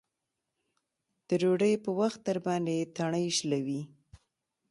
د ډوډۍ په وخت درباندې تڼۍ شلوي.